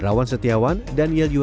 hidup manusia adalah hak kita